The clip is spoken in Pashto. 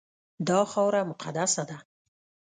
دا خاوره مقدسه ده.